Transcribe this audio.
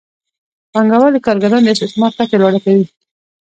پانګوال د کارګرانو د استثمار کچه لوړه کوي